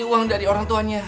uang dari orang tuanya